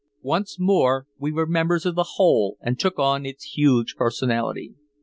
Once more we were members of the whole and took on its huge personality.